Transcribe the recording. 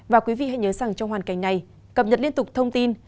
và quý vị hãy nhớ rằng trong hoàn cảnh này cập nhật liên tục thông tin